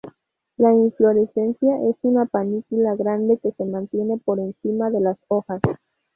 La inflorescencia es una panícula grande que se mantiene por encima de las hojas.